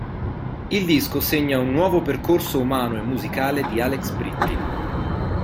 Il disco segna un nuovo percorso umano e musicale di Alex Britti.